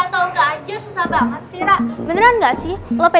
tinggal diawami ya atau enggak aja susah banget sih ra